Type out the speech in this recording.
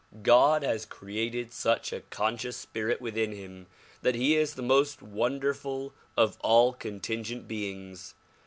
God has created such a conscious spirit within him that he is the most wonderful of all contingent beings.